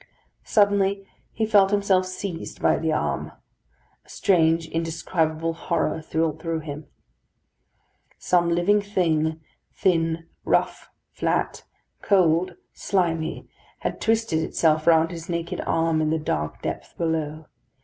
Suddenly he felt himself seized by the arm. A strange indescribable horror thrilled through him. Some living thing, thin, rough, flat, cold, slimy, had twisted itself round his naked arm, in the dark depth below.